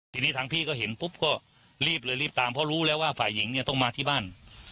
ทีนี้ทางพี่ก็เห็นปุ๊บก็รีบเลยรีบตามเพราะรู้แล้วว่าฝ่ายหญิงเนี่ยต้องมาที่บ้าน